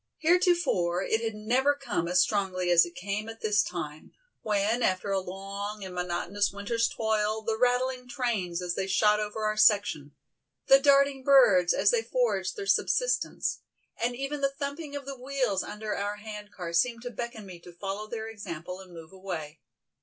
Heretofore it had never come as strongly as it came at this time, when after a long and monotonous winter's toil the rattling trains as they shot over our section, the darting birds as they foraged their subsistence, and even the thumping of the wheels under our hand car seamed to beckon me to follow their example and move away.